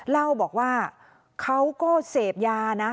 เล่าบอกว่าเขาก็เสพยานะ